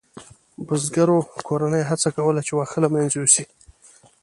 بزګرو کورنیو هڅه کوله چې واښه له منځه یوسي.